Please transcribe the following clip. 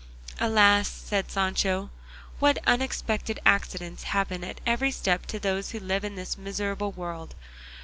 "Alas," said Sancho, "what unexpected accidents happen at every step to those who live in this miserable world!